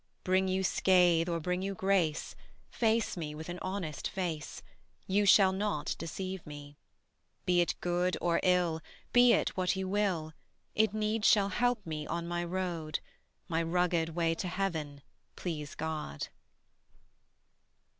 Bring you scathe, or bring you grace, Face me with an honest face; You shall not deceive me: Be it good or ill, be it what you will, It needs shall help me on my road, My rugged way to heaven, please God.